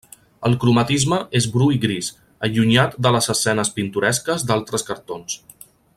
El cromatisme és bru i gris, allunyat de les escenes pintoresques d'altres cartons.